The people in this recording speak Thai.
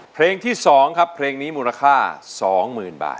เพลงที่สองครับเพลงนี้มูลค่าสองหมื่นบาท